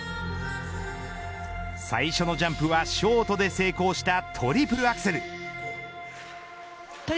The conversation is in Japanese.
最初のジャンプはショートで成功したトリプルアクセル。